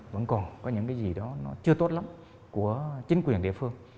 vẫn còn có những gì đó chưa tốt lắm của chính quyền địa phương